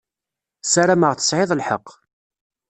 Sarameɣ tesɛiḍ lḥeqq.